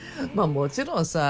もちろんさ